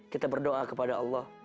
kita berdoa kepada allah